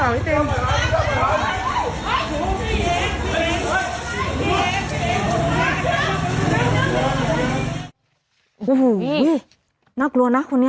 โอ้โหน่ากลัวนะคนนี้